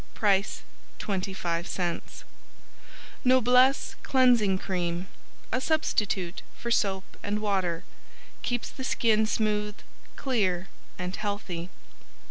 Price 25c Noblesse Cleansing Cream A substitute for soap and water, keeps the skin smooth, clear and healthy.